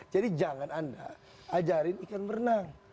jadi jangan anda ajarin ikan berenang